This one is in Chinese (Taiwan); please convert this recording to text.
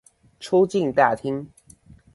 出境大廳